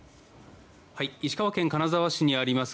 石川県金沢市にあります